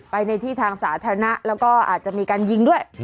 ไปในที่ทางสาธารณะแล้วก็อาจจะมีการยิงด้วย